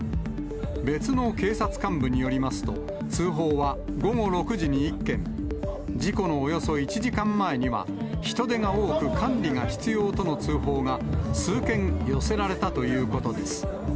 別の警察幹部によりますと、通報は午後６時に１件、事故のおよそ１時間前には、人出が多く管理が必要との通報が、数件寄せられたということです。